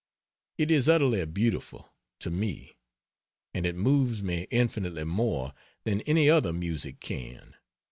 It is utterly beautiful, to me; and it moves me infinitely more than any other music can.